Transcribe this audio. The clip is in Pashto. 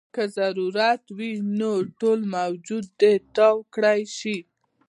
کۀ ضرورت وي نو ټول وجود دې تاو کړے شي -